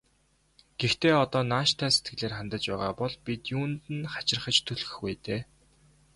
Гэхдээ одоо нааштай сэтгэлээр хандаж байгаа бол бид юунд нь хачирхаж түлхэх вэ дээ.